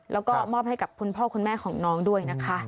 แล้วก็มอบให้กับคุณพ่อคุณแม่ของน้องด้วยนะคะ